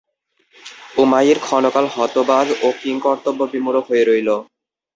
উমাইর ক্ষণকাল হতবাক ও কিংকর্তব্যবিমূঢ় হয়ে রইল।